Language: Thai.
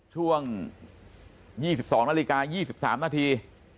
ช่วง๒๒นาฬิกา๒๓นาที